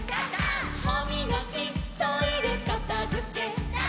「はみがきトイレかたづけ」「」